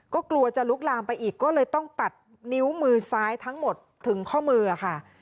ก็กลัวจะลุกลามไปอีกก็เลยต้องตัดนิ้วมือซ้ายทั้งหมดถึงข้อมือค่ะ